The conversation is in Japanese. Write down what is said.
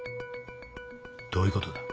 どういうことだ？